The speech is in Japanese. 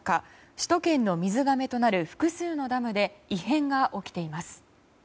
首都圏の水がめとなる複数のダムで異変が起きています。